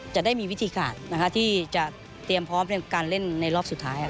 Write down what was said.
จะได้มีวิธีขาดที่จะเตรียมพร้อมในการเล่นในรอบสุดท้าย